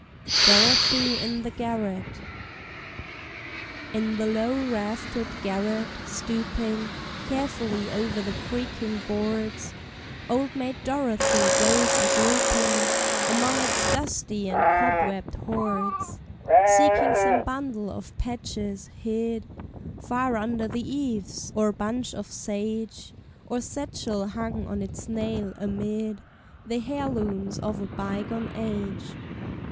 DOROTHY IN THE GARRET. In the low raftered garret, stooping Carefully over the creaking boards, Old Maid Dorothy goes a groping Among its dusty and cobwebbed hoards; Seeking some bundle of patches, hid Far under the eaves, or bunch of sage, Or satchel hung on its nail, amid The heirlooms of a bygone age.